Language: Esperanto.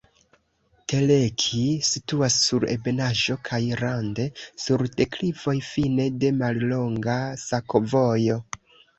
Teleki situas sur ebenaĵo kaj rande sur deklivoj, fine de mallonga sakovojo.